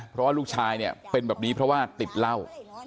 เพราะลูกชายเป็นแบบนี้เพราะว่าติดเหล้า